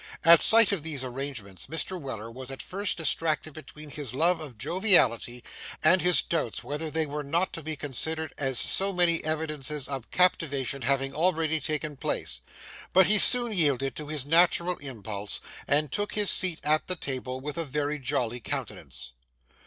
At sight of these arrangements Mr. Weller was at first distracted between his love of joviality and his doubts whether they were not to be considered as so many evidences of captivation having already taken place; but he soon yielded to his natural impulse, and took his seat at the table with a very jolly countenance.